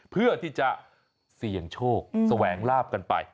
เพื่อที่จะเสี่ยงโชคแสวงลาบกันไป